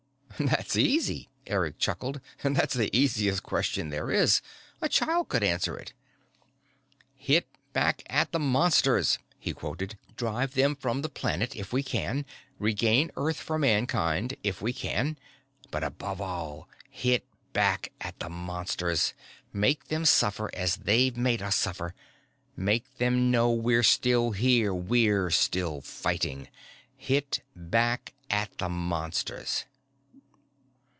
"That's easy," Eric chuckled. "That's the easiest question there is. A child could answer it: "Hit back at the Monsters," he quoted. "_Drive them from the planet, if we can. Regain Earth for Mankind, if we can. But above all, hit back at the Monsters. Make them suffer as they've made us suffer. Make them know we're still here, we're still fighting. Hit back at the Monsters.